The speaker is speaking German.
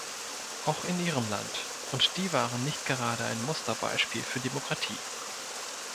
Auch in Ihrem Land, und die waren nicht gerade ein Musterbeispiel für Demokratie.